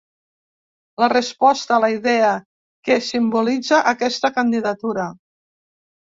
La resposta a la idea que simbolitza aquesta candidatura.